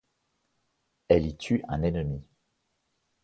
Elle y tue un ennemi.